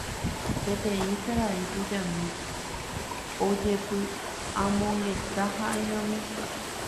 peteĩ karai tujami ojepy'amongeta ha'eñomi